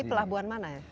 ini pelabuhan mana ya